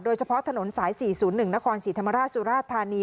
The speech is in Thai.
โดยเฉพาะถนนสาย๔๐๑นครศรีธรรมราชสุราชธานี